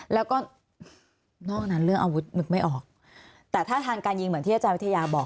แล้วก็นอกนั้นเรื่องอาวุธนึกไม่ออกแต่ถ้าทางการยิงเหมือนที่อาจารย์วิทยาบอก